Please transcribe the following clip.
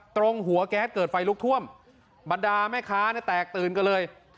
ตรงหัวกาสเกิดไฟลุกท่วมบัดดาม่ะค้าแม่แตกตื่นกันเลย